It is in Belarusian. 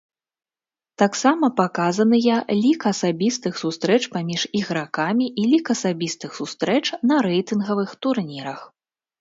Таксама паказаныя лік асабістых сустрэч паміж ігракамі і лік асабістых сустрэч на рэйтынгавых турнірах.